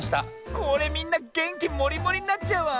これみんなげんきもりもりになっちゃうわ！